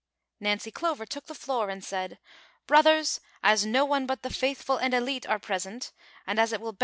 Infancy Clover took the floor and said :" Brothers, as no one but the faithful and elite pvrsont, and as it will bc>!